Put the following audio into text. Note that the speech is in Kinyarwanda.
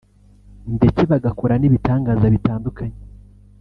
ndetse bagakora n’ibitangaza bitandukanye